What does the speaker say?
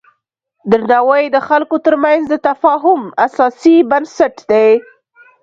درناوی د خلکو ترمنځ د تفاهم اساسي بنسټ دی.